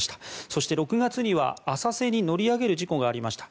そして、６月には浅瀬に乗り上げる事故がありました。